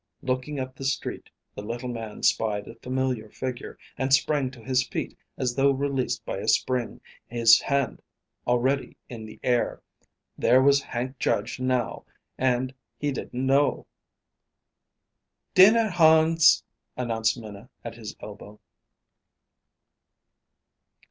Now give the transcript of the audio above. Looking up the street the little man spied a familiar figure, and sprang to his feet as though released by a spring, his hand already in the air. There was Hank Judge, now, and he didn't know "Dinner, Hans," announced Minna at his elbow.